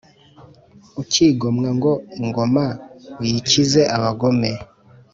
Ukigomwa ngo ingoma uyikize abagome